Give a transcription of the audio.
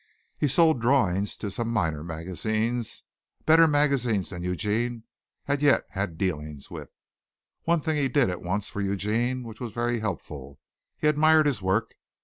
He sold drawings to some of the minor magazines, better magazines than Eugene had yet had dealings with. One thing he did at once for Eugene which was very helpful: he admired his work.